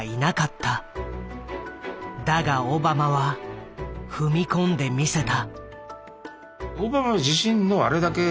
だがオバマは踏み込んでみせた。